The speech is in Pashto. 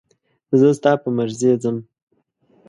زه ستا په مرضي ځم.